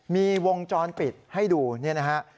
มีวงจรปิดให้ดูเนี่ยนะฮะ